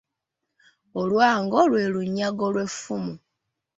Olwango lwe lunyago lw’effumu.